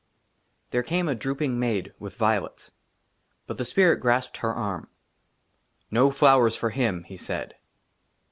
THERE CAME A DROOPING MAID WITH VIOLETS, BUT THE SPIRIT GRASPED HER ARM. NO FLOWERS FOR HIM," HE SAID.